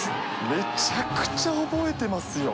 めちゃくちゃ覚えてますよ。